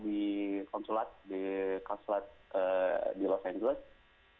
di konsulat di los angeles